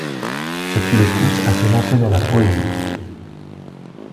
Ce qui le pousse à se lancer dans la poésie.